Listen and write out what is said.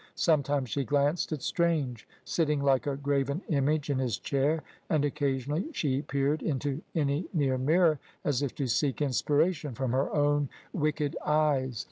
Sometimes she glanced at Strange, sitting like a graven image in his chair, and occasionally she peered into any near mirror as if to seek inspiration from her own wicked eyes.